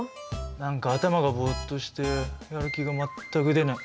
何か頭がぼっとしてやる気が全く出ない。